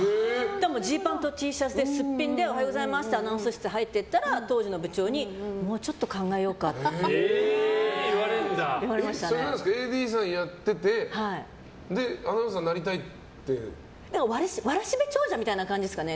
ジーパンとＴシャツですっぴんでおはようございますってアナウンス室に入っていったら当時の部長にもうちょっと考えようかってＡＤさんやっててわらしべ長者みたいな感じですかね。